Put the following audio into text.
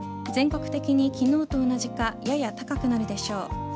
全国的に昨日と同じかやや高くなるでしょう。